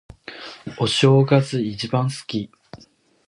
お正月、一番好き。